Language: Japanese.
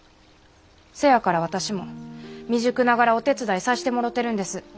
せやから私も未熟ながらお手伝いさしてもろてるんです。